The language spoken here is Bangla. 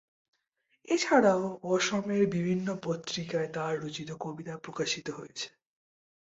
এছাড়াও অসমের বিভিন্ন পত্রিকায় তার রচিত কবিতা প্রকাশিত হয়েছে।